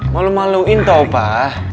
mau lu maluin tau pak